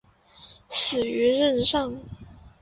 死于任上。